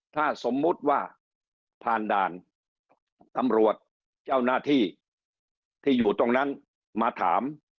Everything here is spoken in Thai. ถ้าสมมุติว่าผ่านด่านตำรวจเจ้าหน้าที่ที่อยู่ตรงนั้นมาถาม